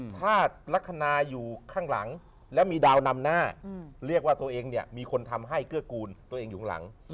ถ้าลักษณะอยู่ข้างหลังแล้วมีดาวนำหน้าเรียกว่าตัวเองเนี่ยมีคนทำให้เกื้อกูลตัวเองอยู่ข้างหลัง